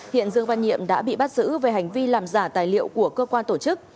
hiện dương văn nhiệm đã bị bắt giữ về hành vi làm giả tài liệu của cơ quan tổ chức